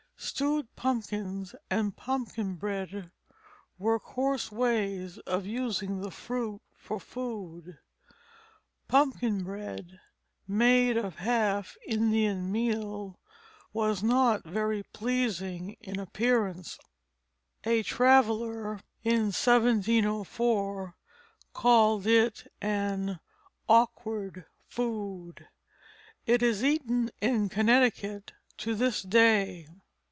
Stewed pumpkins and pumpkin bread were coarse ways of using the fruit for food. Pumpkin bread made of half Indian meal was not very pleasing in appearance. A traveller in 1704 called it an "awkward food." It is eaten in Connecticut to this day.